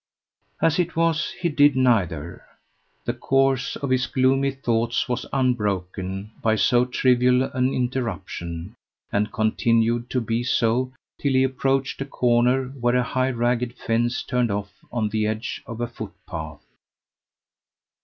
As it was, he did neither. The course of his gloomy thoughts was unbroken by so trivial an interruption, and continued to be so till he approached a corner where a high ragged fence turned off on the edge of a footpath.